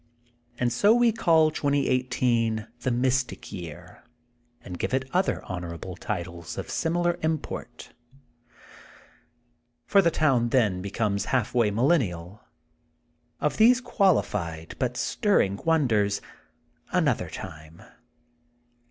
And so we call 2018 the Mystic Year, and give it other honorable titles of similar import. For the town, then, becomes half way millen nial. Of these qualified but stirring wonders, another time.